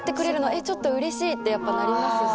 えっちょっとうれしいってやっぱなりますし。